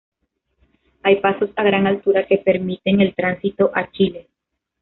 Hay pasos a gran altura que permiten el tránsito a Chile.